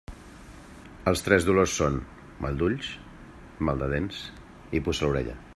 Els tres dolors són: mal d'ulls, mal de dents i puça a l'orella.